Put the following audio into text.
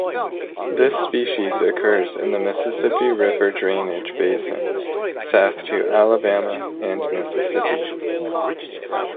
This species occurs in the Mississippi River drainage basin south to Alabama and Mississippi.